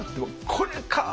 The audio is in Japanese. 「これか！」。